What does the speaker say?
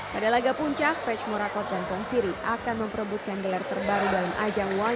pada laga puncak pech morakot dan tong siri akan memperebutkan gelar terbaru dalam ajang wang